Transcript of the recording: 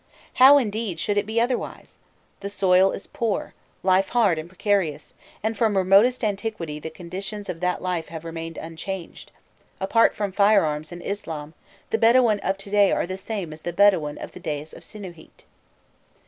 How, indeed, should it be otherwise? the soil is poor, life hard and precarious, and from remotest antiquity the conditions of that life have remained unchanged; apart from firearms and Islam, the Bedouin of to day are the same as the Bedouin of the days of Sinûhît.